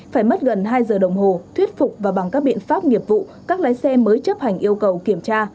phải mất gần hai giờ đồng hồ thuyết phục và bằng các biện pháp nghiệp vụ các lái xe mới chấp hành yêu cầu kiểm tra